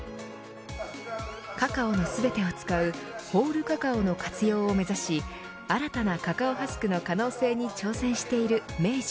カカオの全てを使うホールカカオの活用を目指し新たなカカオハスクの可能性に挑戦している明治。